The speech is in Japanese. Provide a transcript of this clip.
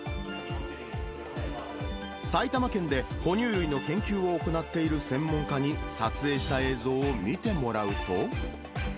埼玉県で哺乳類の研究を行っている専門家に撮影した映像を見てもらうと。